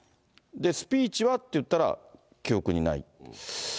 スピーチは？って言ったら、記憶にない。